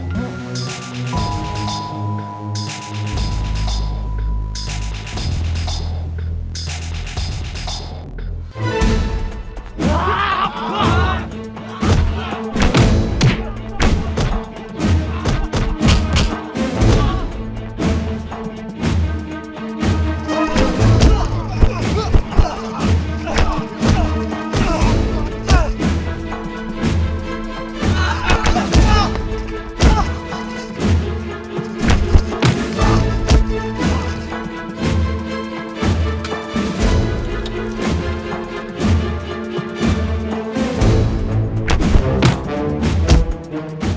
tunggu sama geng gue